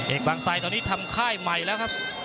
บางไซดตอนนี้ทำค่ายใหม่แล้วครับ